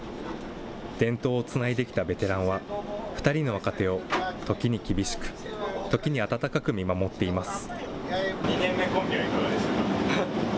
伝統をつないできたベテランは、２人の若手を時に厳しく、時に温かく見守っています。